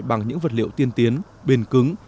bằng những vật liệu tiên tiến bền cứng